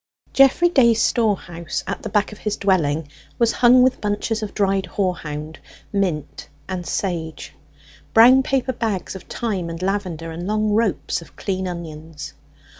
Geoffrey Day's storehouse at the back of his dwelling was hung with bunches of dried horehound, mint, and sage; brown paper bags of thyme and lavender; and long ropes of clean onions.